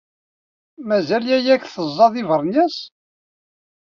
Mazal yaya-k teẓẓaḍ iberniyas?